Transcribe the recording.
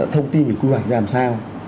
thông tin về quy hoạch làm sao